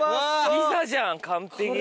ピザじゃん完璧。